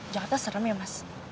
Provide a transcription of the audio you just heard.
jakarta serem ya mas